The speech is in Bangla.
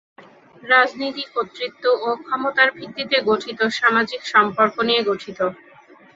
রাজনীতি কর্তৃত্ব ও ক্ষমতার ভিত্তিতে গঠিত সামাজিক সম্পর্ক নিয়ে গঠিত।